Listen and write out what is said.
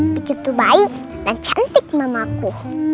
begitu baik dan cantik mamaku